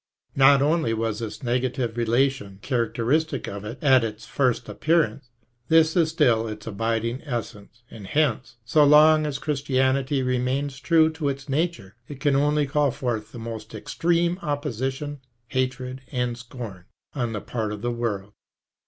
Not only was this negative relation charac teristic of it at its first appearance, this is still its abiding essence, and hence, so long as Christianity remains true to its nature, it can only call forth the most extreme opposition, hatred, and scorn, on the part of the world.